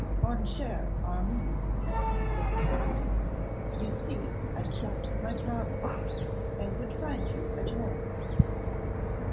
Mon cher Armine,' said the Count, 'you see I kept my promise, and would find you at home.